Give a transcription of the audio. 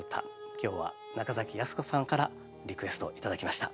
今日は中泰子さんからリクエストを頂きました。